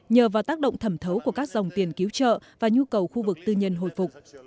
nhờ vào tác động thẩm thấu của các dòng tiền cứu trợ và nhu cầu khu vực tư nhân hồi phục